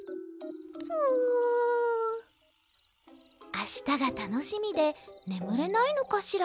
あしたがたのしみでねむれないのかしら？